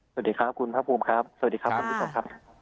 สวัสดีครับคุณพระภูมิครับสวัสดีครับท่านผู้ชมครับ